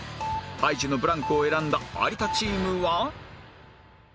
ハイジのブランコを選んだ有田チームは？